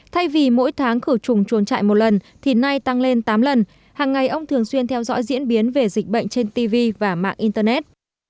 thay vì mỗi tháng khử trùng chuồng trại một lần thì nay tăng lên tám lần hàng ngày ông thường xuyên theo dõi diễn biến về dịch bệnh trên tv và mạng internet